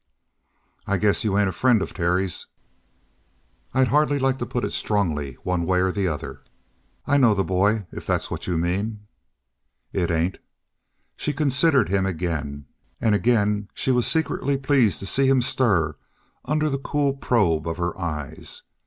"I guess you ain't a friend of Terry's?" "I'd hardly like to put it strongly one way or the other. I know the boy, if that's what you mean." "It ain't." She considered him again. And again she was secretly pleased to see him stir under the cool probe of her eyes.